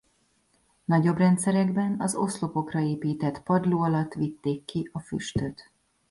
Nagyobb rendszerekben az oszlopokra épített padló alatt vitték ki a füstöt.